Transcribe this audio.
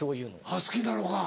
あっ好きなのか。